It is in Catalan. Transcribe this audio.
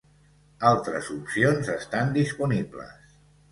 Altres opcions estan disponibles.